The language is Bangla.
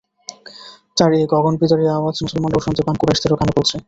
তার এই গগনবিদারী আওয়াজ মুসলমানরাও শুনতে পান কুরাইশদেরও কানে পৌঁছে।